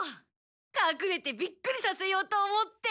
かくれてビックリさせようと思って。